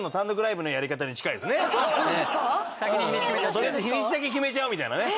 とりあえず日にちだけ決めちゃうみたいなね。